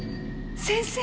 先生！